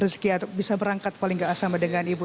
rezeki atau bisa berangkat paling gak sama dengan ibu